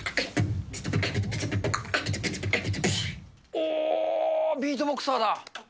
おーっ、ビートボクサーだ。